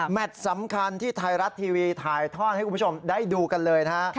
สำคัญที่ไทยรัฐทีวีถ่ายทอดให้คุณผู้ชมได้ดูกันเลยนะฮะ